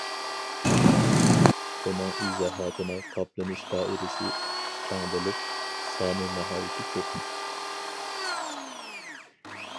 ئۇنىڭ ئىزاھاتىنىڭ قاپلىنىش دائىرىسى كەڭ بولۇپ، سانى ناھايىتى كۆپ.